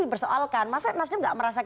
dibersoalkan masa nas dem nggak merasa kayaknya